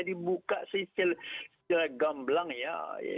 dibuka secara gamblang ya